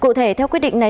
cụ thể theo quyết định này